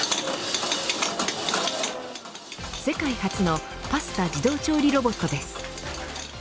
世界初のパスタ自動調理ロボットです。